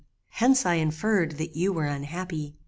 Hence I inferred that you were unhappy.